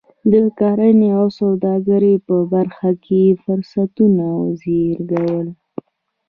د کرنې او سوداګرۍ په برخه کې فرصتونه وزېږول.